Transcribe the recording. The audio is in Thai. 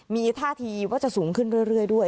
มีท่าทีว่าจะสูงขึ้นเรื่อยด้วย